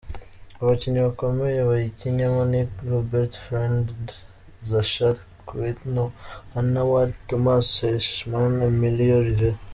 Abakinnyi bakomeye bayikinnyemo ni Rupert Friend , Zachary Quinto , Hannah Ware , Thomas Kretschmann , Emilio Rivera .